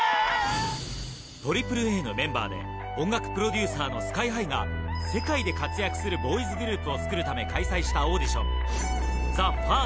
ＡＡＡのメンバーで、音楽プロデューサーのＳＫＹーＨＩが、世界で活躍するボーイズグループを作るため開催したオーディションＴＨＥＦＩＲＳＴ。